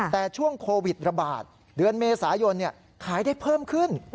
แต่ช่วงโควิดระบาดเดือนเมษายนขายได้เพิ่มขึ้น